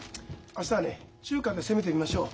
明日はね中華で攻めてみましょう。